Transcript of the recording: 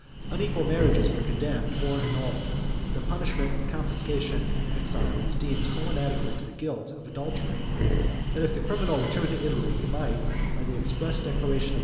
Unequal marriages were condemned or annulled. The punishment of confiscation and exile was deemed so inadequate to the guilt of adultery, that, if the criminal returned to Italy, he might, by the express declaration of Majorian, be slain with impunity.